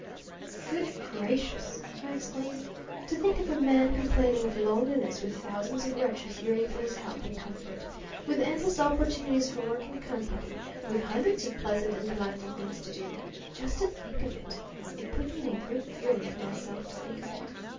'Good gracious!' I exclaimed, 'to think of a man complaining of loneliness with thousands of wretches yearning for his help and comfort, with endless opportunities for work and company, with hundreds of pleasant and delightful things to do. Just to think of it! It put me in a great fury at myself to think of it.